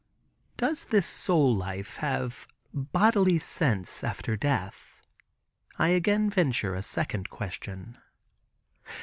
"Does this soul life have bodily sense after death?" I again venture a second question.